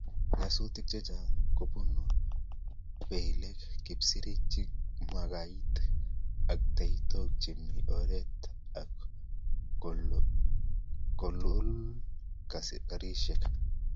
Nyasutik chechang ko kibunu belek, kipsirichik, makaita ak taitigo chemi oret ak kolul garisiek